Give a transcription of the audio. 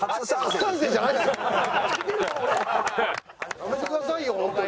やめてくださいよホントに。